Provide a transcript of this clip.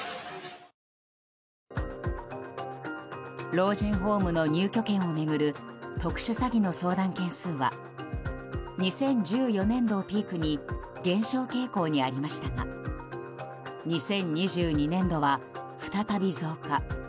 老人ホームの入居権を巡る特殊詐欺の相談件数は２０１４年度をピークに減少傾向にありましたが２０２２年度は再び増加。